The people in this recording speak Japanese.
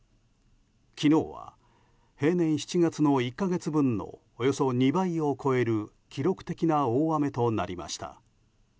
昨日は平年７月の１か月分のおよそ２倍を超える記録的な大雨となりました。